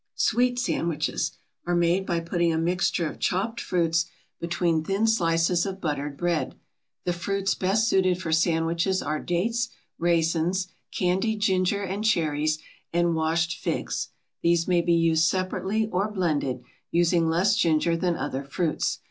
SWEET SANDWICHES are made by putting a mixture of chopped fruits between thin slices of buttered bread. The fruits best suited for sandwiches are dates, raisins, candied ginger and cherries, and washed figs. These may be used separately or blended, using less ginger than other fruits.